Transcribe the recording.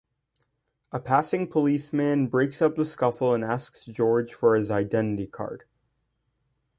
A passing policeman breaks up the scuffle and asks George for his identity card.